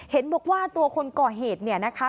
เห็นบอกว่าตัวคนก่อเหตุเนี่ยนะคะ